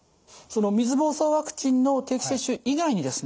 水ぼうそうワクチンの定期接種以外にですね